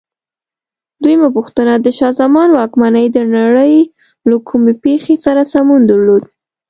دویمه پوښتنه: د شاه زمان واکمنۍ د نړۍ له کومې پېښې سره سمون درلود؟